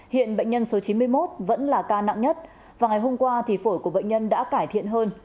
hiện bệnh nhân số chín mươi một vẫn là ca nặng nhất và ngày hôm qua thì phổi của bệnh nhân đã cải thiện hơn